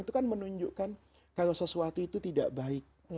itu kan menunjukkan kalau sesuatu itu tidak baik